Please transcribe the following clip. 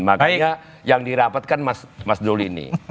makanya yang dirapatkan mas doli ini